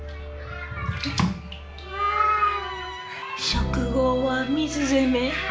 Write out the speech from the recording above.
食後は水攻め？